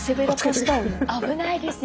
危ないですよ！